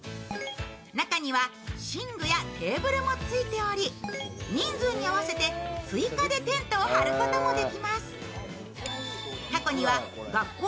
中には寝具やテーブルもついており、人数に合わせて追加でテントを張ることもできます。